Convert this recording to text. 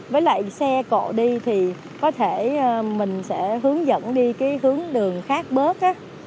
với lại xe cộ đi thì có thể mình sẽ hướng dẫn đi cái hướng đường khác bớt á